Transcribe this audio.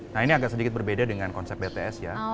nah ini agak sedikit berbeda dengan konsep bts ya